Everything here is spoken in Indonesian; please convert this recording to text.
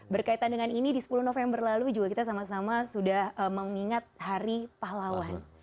berkaitan dengan ini di sepuluh november lalu juga kita sama sama sudah mengingat hari pahlawan